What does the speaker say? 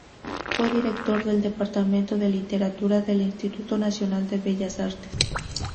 Fue director del Departamento de Literatura del Instituto Nacional de Bellas Artes.